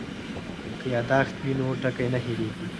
که یادښت وي نو ټکی نه هېریږي.